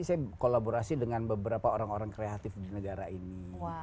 saya kolaborasi dengan beberapa orang orang kreatif di negara ini